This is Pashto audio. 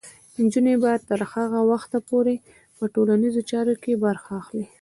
نجونې به تر هغه وخته پورې په ټولنیزو چارو کې برخه اخلي.